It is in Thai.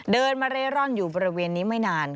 เดินมาเร่ร่อนอยู่บริเวณนี้ไม่นาน